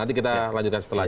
nanti kita lanjutkan setelah